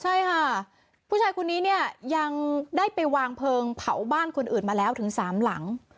ใช่ค่ะผู้ชายคนนี้เนี่ยยังได้ไปวางเพลิงเผาบ้านคนอื่นมาแล้วถึงสามหลัง